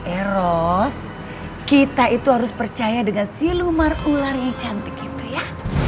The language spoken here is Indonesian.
eh ros kita itu harus percaya dengan si lumar ular yang cantik itu ya